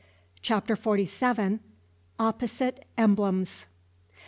CHAPTER FORTY SEVEN. OPPOSITE EMBLEMS.